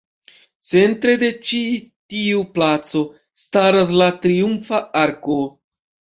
Centre de ĉi tiu placo, staras la Triumfa Arko.